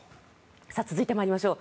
続いて参りましょう。